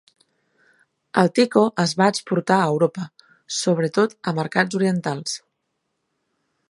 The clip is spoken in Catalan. El Tico es va exportar a Europa, sobre tot a mercats orientals.